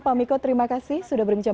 pak miko terima kasih sudah berbincang